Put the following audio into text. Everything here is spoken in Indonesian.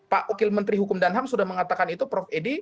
pak wakil menteri hukum dan ham sudah mengatakan itu prof edi